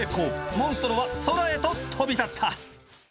モンストロは空へと飛び立った。